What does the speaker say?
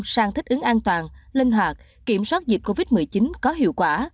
sang thích ứng an toàn linh hoạt kiểm soát dịch covid một mươi chín có hiệu quả